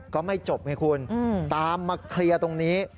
ก็ไม่จบไงคุณตามมาเคลียร์ตรงนี้